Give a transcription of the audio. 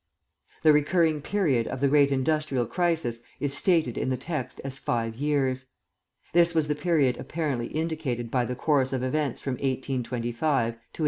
The recurring period of the great industrial crisis is stated in the text as five years. This was the period apparently indicated by the course of events from 1825 to 1842.